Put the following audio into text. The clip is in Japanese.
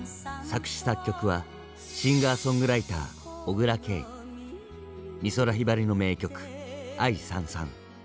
作詞作曲は美空ひばりの名曲「愛燦燦」